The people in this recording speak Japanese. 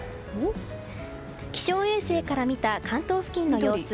気象衛星から見た関東付近の様子。